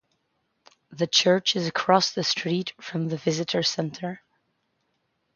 The church is across the street from the Visitors Center.